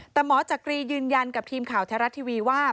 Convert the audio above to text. แต่หมอจักรียืนยันกับทีมข่าวแท้รัฐทีวีว่า